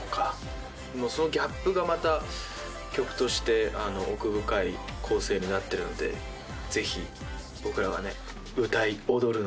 そのギャップが曲として奥深い構成になってるのでぜひ僕らが歌い踊るのをね